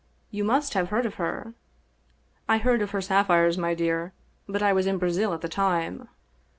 You must have heard of her." " I heard of her sapphires, my dear. But I was in Brazil at the time."